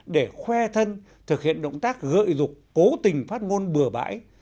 để khoe thân thực hiện động tác gợi dục cố tình phát ngôn bừa bãi